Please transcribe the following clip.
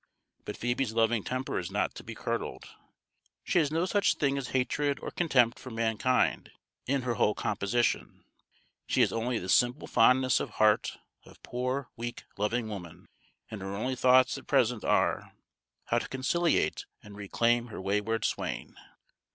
But Phoebe's loving temper is not to be curdled; she has no such thing as hatred or contempt for mankind in her whole composition. She has all the simple fondness of heart of poor, weak, loving woman; and her only thoughts at present are, how to conciliate and reclaim her wayward swain.